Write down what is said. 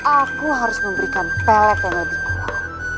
aku harus memberikan pelet yang lebih kuat